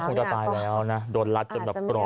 ก็คงจะตายแล้วนะโดนรัดจนกว่าปลอกไปแล้วก็